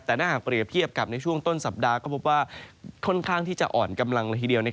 แต่ถ้าหากเปรียบเทียบกับในช่วงต้นสัปดาห์ก็พบว่าค่อนข้างที่จะอ่อนกำลังละทีเดียว